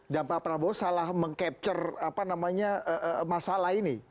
dan pak prabowo salah mengcapture apa namanya masalah ini